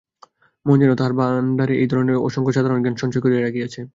মন যেন তাহার ভাণ্ডারে এই ধরনের অসংখ্য সাধারণজ্ঞান সঞ্চয় করিয়া রাখিয়াছে।